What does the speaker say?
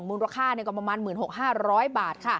มูลค่าก็ประมาณ๑๖๕๐๐บาท